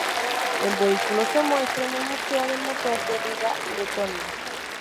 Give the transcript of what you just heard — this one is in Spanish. El vehículo se muestra en el Museo del Motor de Riga, Letonia.